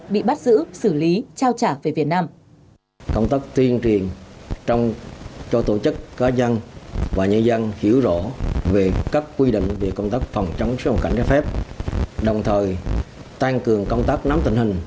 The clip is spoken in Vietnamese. bị bắt giữ xử lý trao trả về việt nam